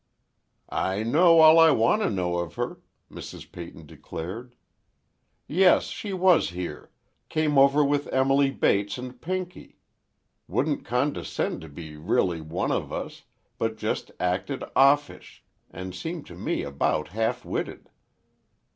"I know all I want to know of her," Mrs. Peyton declared. "Yes, she was here—came over with Emily Bates and Pinky. Wouldn't condescend to be really one of us, but just acted offish and seemed to me about half witted."